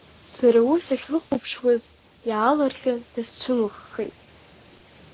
Сара уи сахьлыхәаԥшуаз иаалырҟьан даасцәымӷхеит.